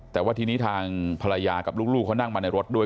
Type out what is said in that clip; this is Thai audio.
แต่ว่าทีนี้ทางภรรยากับลูกเขานั่งมาในรถด้วย